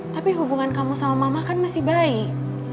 tapi hubungan kamu sama mama kan masih baik